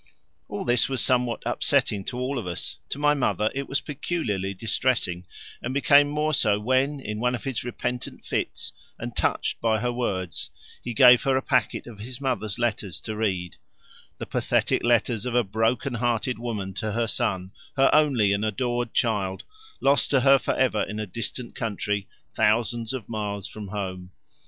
All this was somewhat upsetting to all of us: to my mother it was peculiarly distressing, and became more so when, in one of his repentant fits and touched by her words, he gave her a packet of his mother's letters to read: the pathetic letters of a broken hearted woman to her son, her only and adored child, lost to her for ever in a distant country, thousands of miles from home.